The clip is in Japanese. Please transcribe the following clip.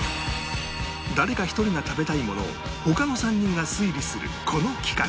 誰か一人が食べたいものを他の３人が推理するこの企画